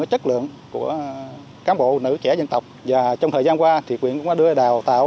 chất lượng của cán bộ nữ trẻ dân tộc và trong thời gian qua thì quyện cũng đã đưa đào tạo